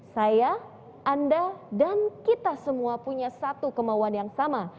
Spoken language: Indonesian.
saya anda dan kita semua punya satu kemauan yang sama